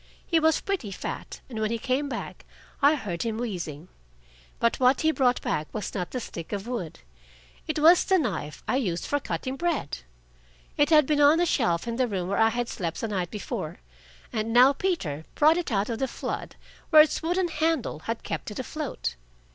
He was pretty fat, and when he came back I heard him wheezing. But what he brought back was not the stick of wood. It was the knife I use for cutting bread. It had been on a shelf in the room where I had slept the night before, and now Peter brought it out of the flood where its wooden handle had kept it afloat.